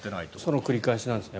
その繰り返しなんですね。